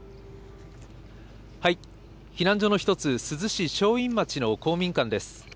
避難所の一つ、珠洲市正院町の公民館です。